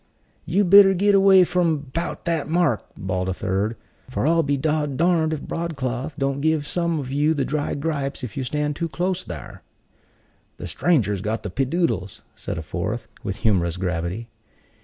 "You better git away from 'bout that mark!" bawled a third, "for I'll be dod darned if Broadcloth don't give some of you the dry gripes if you stand too close thare." "The stranger's got the peedoddles," said a fourth, with humorous gravity.